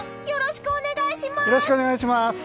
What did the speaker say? よろしくお願いします！